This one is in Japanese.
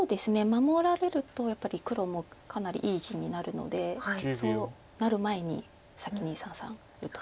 守られるとやっぱり黒もかなりいい地になるのでそうなる前に先に三々打っとくと。